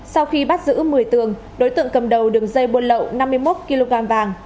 sau khi bắt giữ một mươi tường đối tượng cầm đầu đường dây buôn lậu năm mươi một kg vàng